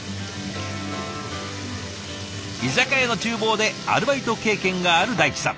居酒屋の厨房でアルバイト経験がある大地さん。